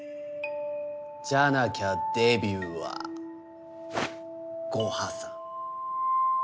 じゃなきゃデビューはご破算。